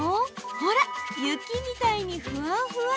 ほら雪みたいにふわふわ。